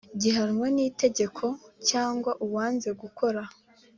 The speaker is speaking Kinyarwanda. gihanwa n itegeko cyangwa uwanze gukora